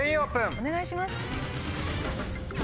お願いします！